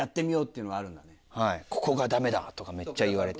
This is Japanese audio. はい「ここがダメだ」とかめっちゃ言われて。